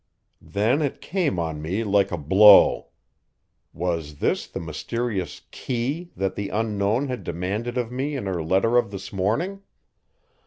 Then it came on me like a blow, was this the mysterious "key" that the Unknown had demanded of me in her letter of this morning?